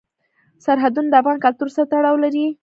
سرحدونه د افغان کلتور سره تړاو لري.